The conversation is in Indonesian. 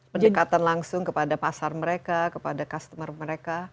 pendekatan langsung kepada pasar mereka kepada customer mereka